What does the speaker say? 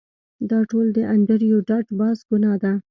دا ټول د انډریو ډاټ باس ګناه ده